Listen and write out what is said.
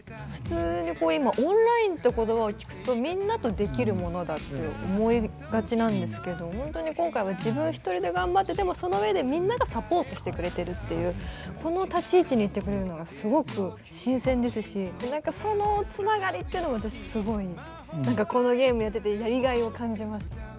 普通にこう今オンラインって言葉を聞くとみんなとできるものだって思いがちなんですけどほんとに今回は自分一人で頑張ってでもそのうえでみんながサポートしてくれてるっていうこの立ち位置にいてくれるのがすごく新鮮ですし何かその繋がりっていうのも私すごい何かこのゲームやっててやりがいを感じました。